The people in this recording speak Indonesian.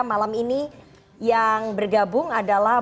malam ini yang bergabung adalah